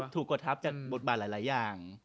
กดทับจากบทบาทหลายอย่าง